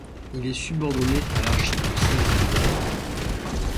Il est subordonné à l'archidiocèse de Nankin.